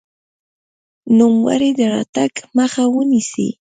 د نوموړي د راتګ مخه ونیسي.